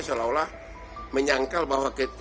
seolah olah menyangkal bahwa kita